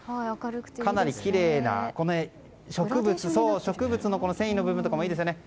かなりきれいな植物の繊維の部分とかもいいですよね。